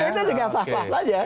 kita juga sah sah saja